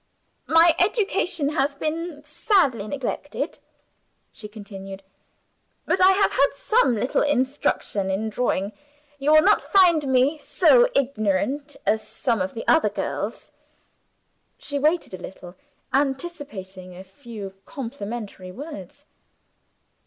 "My education has been sadly neglected," she continued; "but I have had some little instruction in drawing. You will not find me so ignorant as some of the other girls." She waited a little, anticipating a few complimentary words.